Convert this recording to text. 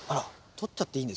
取っちゃっていい。